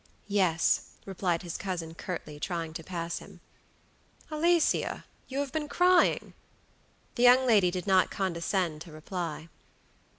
"Yes," replied his cousin curtly, trying to pass him. "Alicia, you have been crying." The young lady did not condescend to reply.